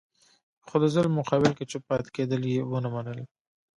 خو د ظلم مقابل کې چوپ پاتې کېدل یې ونه منل.